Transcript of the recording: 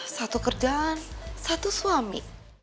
satu kerjaan satu suami